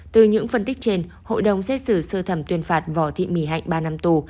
từ những phân tích trên hội đồng xét xử sơ thẩm tuyên phạt vỏ thịt mì hạnh ba năm tù